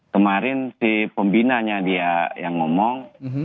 kemarin si pembinanya dia yang ngomong